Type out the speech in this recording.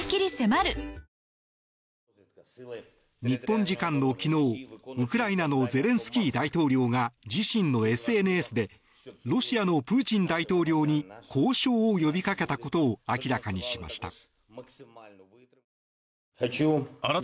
日本時間の昨日、ウクライナのゼレンスキー大統領が自身のＳＮＳでロシアのプーチン大統領に交渉を呼びかけたことを明らかにしました。